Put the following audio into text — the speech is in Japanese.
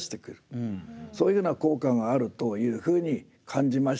そういうような効果があるというふうに感じました。